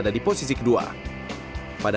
dan rivaldi menemukan rivaldi di sirkuit sepang malaysia